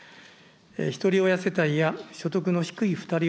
ひとり親世帯や所得の低いふたり